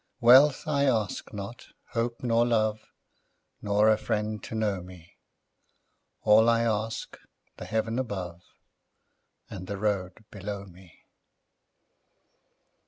Wealth I ask not, hope nor love, Nor a friend to know me; All I ask, the heaven above And the road below me.